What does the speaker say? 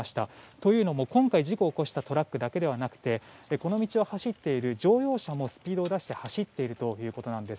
というのも、今回事故を起こしたトラックだけではなくてこの道を走っている乗用車もスピードを出して走っているということです。